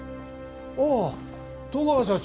ああ戸川社長。